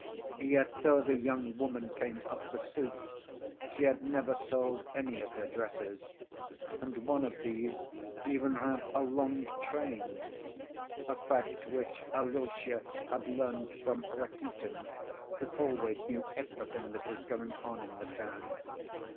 Yet, though the young woman came up for soup, she had never sold any of her dresses, and one of these even had a long train—a fact which Alyosha had learned from Rakitin, who always knew everything that was going on in the town.